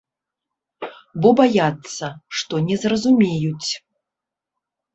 Бо баяцца, што не зразумеюць.